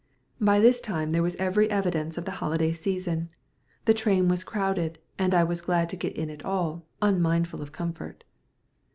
By this time there was every evidence of the holiday season. The train was crowded, and I was glad to get in at all, unmindful of comfort.